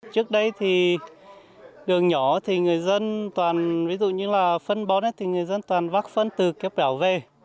trước đây thì đường nhỏ thì người dân toàn ví dụ như là phân bón thì người dân toàn vác phân từ kép đảo về